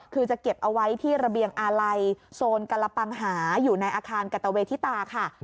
คือจะเก็บเอาไว้ที่ระเบียงอาลัยโซนกรปังหาอยู่ในอาคารกัตเวทิตาค่ะ